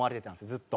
ずっと。